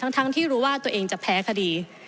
ทั้งที่รู้ว่าตัวเองจะแพ้คดี